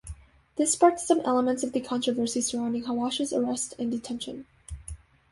This sparked some elements of the controversy surrounding Hawash's arrest and detention.